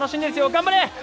頑張れ！